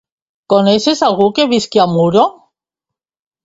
Coneixes algú que visqui a Muro?